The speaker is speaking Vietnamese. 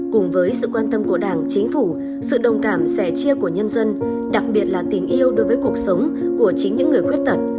cùng với sự quan tâm của đảng chính phủ sự đồng cảm sẻ chia của nhân dân đặc biệt là tình yêu đối với cuộc sống của chính những người khuyết tật